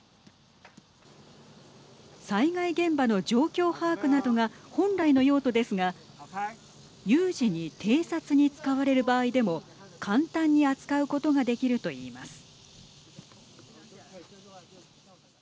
災害現場の状況把握などが本来の用途ですが有事に偵察に使われる場合でも簡単に扱うことができるといいます。